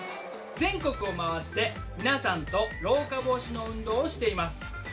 全国を回って皆さんと老化防止の運動をしています。